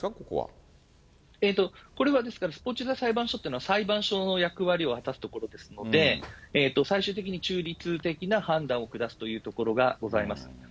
ここれは、ですから、スポーツ仲裁裁判所というのは、裁判所の役割を果たすところですので、最終的に中立的な判断を下すというところがございます。